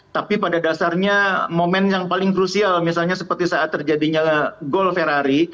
tapi pada dasarnya momen yang paling krusial misalnya seperti saat terjadinya gol ferrari